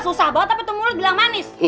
susah bawa tapi tuh mulut bilang manis